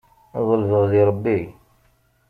Ḍelbeɣ di Ṛebbi.